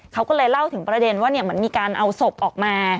เขาก็เลยเล่าถึงประเด็นว่าเหมือนมีการเอาศพออกมา